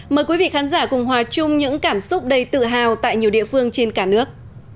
mời quý vị khán giả cùng hòa chung những cảm xúc đầy tự hào tại nhiều địa phương trên cả nước